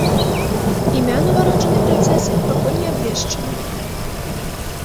Імя нованароджанай прынцэсы пакуль не абвешчана.